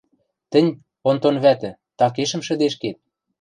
– Тӹнь, Онтон вӓтӹ, такешӹм шӹдешкет.